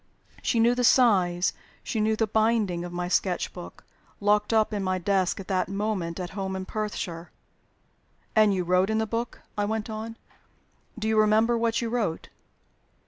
She knew the size, she knew the binding, of my sketch book locked up in my desk, at that moment, at home in Perthshire! "And you wrote in the book," I went on. "Do you remember what you wrote?"